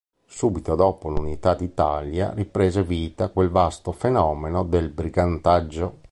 Subito dopo l'unità d'Italia riprese vita quel vasto fenomeno del brigantaggio.